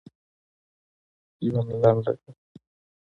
ژوند لنډ دی